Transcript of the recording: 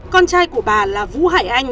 con trai của bà là vũ hải anh